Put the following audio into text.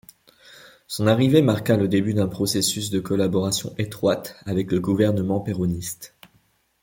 Son arrivée marqua le début d’un processus de collaboration étroite avec le gouvernement péroniste.